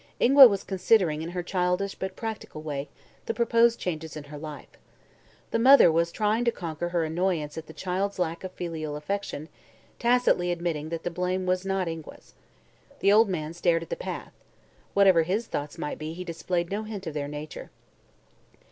Ingua was considering, in her childish but practical way, the proposed changes in her life. The mother was trying to conquer her annoyance at the child's lack of filial affection, tacitly admitting that the blame was not Ingua's. The old man stared at the path. Whatever his thoughts might be he displayed no hint of their nature.